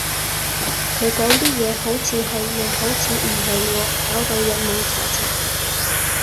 佢講啲嘢，好似係，又好似唔係喎，搞到人矇查查